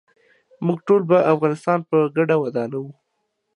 موږ ټول به افغانستان په ګډه ودانوو.